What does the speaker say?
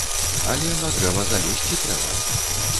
Але на дрэва залезці трэба.